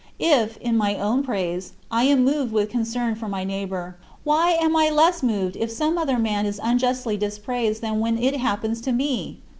If, in my own praise, I am moved with concern for my neighbor, why am I less moved if some other man is unjustly dispraised than when it happens to me?